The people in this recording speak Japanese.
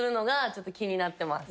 ちょっと気になってます。